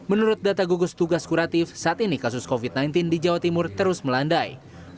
menurut data gugus tugas kuratif saat ini kasus covid sembilan belas di jawa timur terus melandai